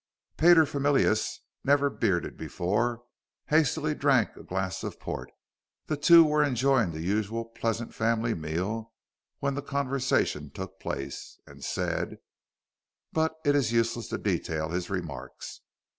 Paterfamilias, never bearded before, hastily drank a glass of port the two were enjoying the usual pleasant family meal when the conversation took place and said but it is useless to detail his remarks.